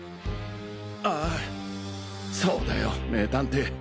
ああそうだよ名探偵。